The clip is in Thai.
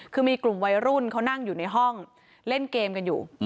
คือมีกลุ่มวัยรุ่นเขานั่งอยู่ในห้องเล่นเกมกันอยู่